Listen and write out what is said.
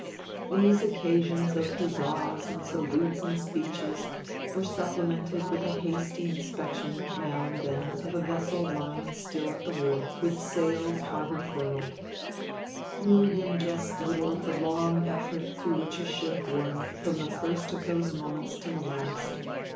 These occasions of huzzas and salutes and speeches were supplemented with a hasty inspection, now and then, of a vessel lying still at the wharf with sails harbor furled. William guessed little of the long effort through which a ship won from the first of those moments to the last.